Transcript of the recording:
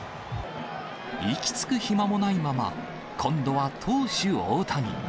息つく暇もないまま、今度は投手、大谷。